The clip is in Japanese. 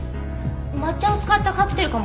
抹茶を使ったカクテルかも。